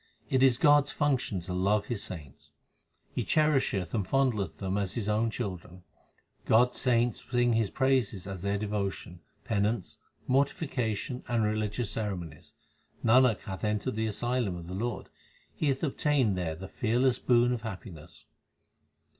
It is God s function to love His saints ; He cherisheth and fondleth them as His own children. God s saints sing His praises as their devotion, penance, mortification, and religious ceremonies. Nanak hath entered the asylum of the Lord ; he hath obtained there the fearless boon of happiness.